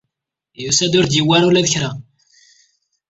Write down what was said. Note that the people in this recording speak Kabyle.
Yusa-d ur d-yewwi ara ula d kra.